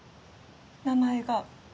名前が